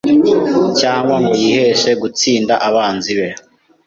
cyangwa ngo yiheshe gutsinda abanzi be